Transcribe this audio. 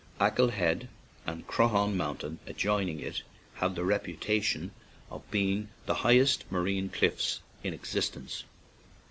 Achill Head and Croaghaun Mountain, adjoining it, have the reputation of being the highest ma rine cliffs in existence.